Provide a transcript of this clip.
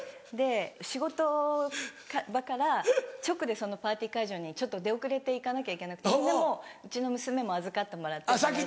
で仕事場から直でそのパーティー会場にちょっと出遅れて行かなきゃいけなくてみんなもううちの娘も預かってもらって。